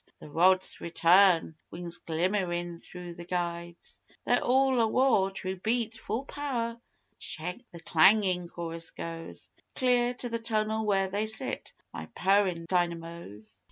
the rod's return whings glimmerin' through the guides. They're all awa'! True beat, full power, the clangin' chorus goes Clear to the tunnel where they sit, my purrin' dynamoes.